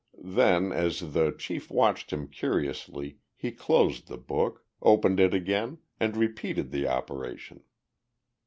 Then, as the chief watched him curiously, he closed the book, opened it again and repeated the operation.